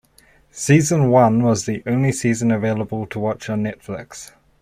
Season One was the only season available to watch on Netflix.